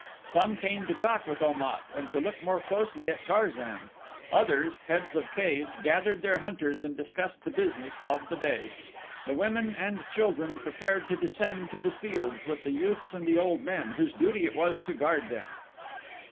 Some came to talk with Om at and to look more closely at Tarzan; others, heads of caves, gathered their hunters and discussed the business of the day. The women and children prepared to descend to the fields with the youths and the old men, whose duty it was to guard them.